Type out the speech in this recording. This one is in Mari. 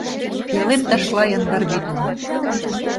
Пиалем ташла яндар вÿдла